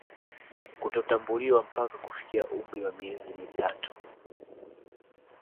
Kutotambuliwa mpaka kufikia umri wa miezi mitatu